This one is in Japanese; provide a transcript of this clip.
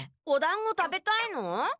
おだんご食べたいの？